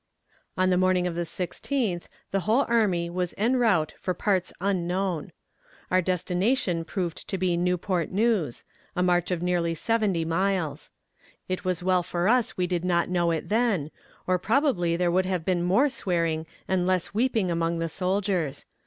On the morning of the sixteenth the whole army was en route for parts unknown. Our destination proved to be Newport News a march of nearly seventy miles. It was well for us we did not know it then, or probably there would have been more swearing and less weeping among the soldiers.